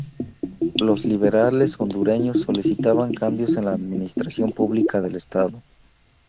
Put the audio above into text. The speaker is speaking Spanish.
Los liberales hondureños solicitaban cambios en la administración pública del Estado.